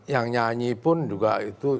yang nyanyi pun juga itu